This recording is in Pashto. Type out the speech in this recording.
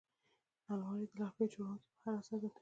الماري د لرګیو جوړوونکي مهارت څرګندوي